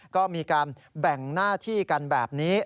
ก็มีการแบ่งหน้าที่กันแบบนี้